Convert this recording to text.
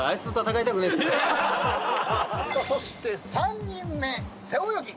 そして３人目背泳ぎ。